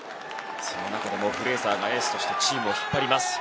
その中でもフレーザーがエースとしてチームを引っ張ります。